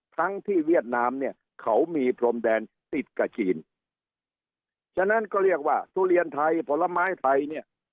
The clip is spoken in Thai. ทั้งที่เวียดนามเนี่ยเขามีพรมแดนติดกับจีนฉะนั้นก็เรียกว่าทุเรียนไทยผลไม้ไทยเนี่ย